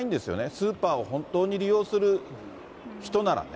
スーパーを本当に利用する人ならね。